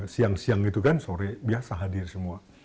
siang siang itu kan sore biasa hadir semua